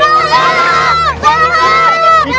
berhenti jangan lari berhenti